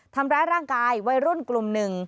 ทำร้ายร่างกายวัยรุ่นกลุ่มหนึ่ง